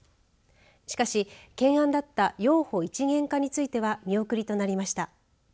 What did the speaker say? しかし、懸案だった幼保一元化については見送りとなりました。